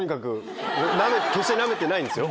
決してナメてないんですよ。